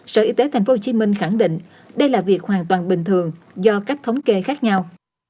sở y tế tp hcm khẳng định đây là việc hoàn toàn bình thường do cách thống kê khác nhau